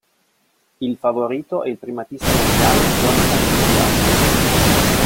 Il favorito è il primatista mondiale Jonathan Edwards.